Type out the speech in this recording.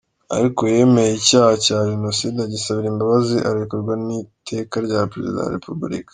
Ariko yemeye icyaha cya jenoside, agisabira imbabazi arekurwa n’Iteka rya Perezida wa Repubulika.